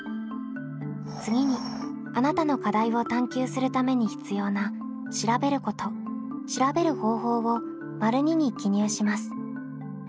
次にあなたの課題を探究するために必要な「調べること」「調べる方法」を②に記入します。